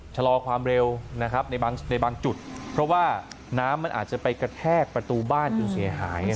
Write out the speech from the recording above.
ชะลอความเร็วนะครับในบางในบางจุดเพราะว่าน้ำมันอาจจะไปกระแทกประตูบ้านจนเสียหาย